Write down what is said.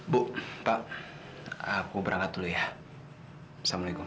bu pak aku berangkat dulu ya assalamualaikum